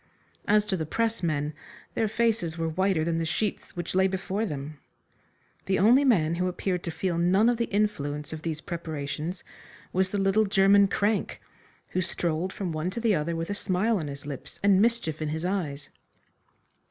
As to the pressmen, their faces were whiter than the sheets which lay before them. The only man who appeared to feel none of the influence of these preparations was the little German crank, who strolled from one to the other with a smile on his lips and mischief in his eyes.